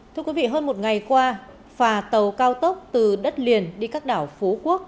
thưa quý vị hơn một ngày qua phà tàu cao tốc từ đất liền đi các đảo phú quốc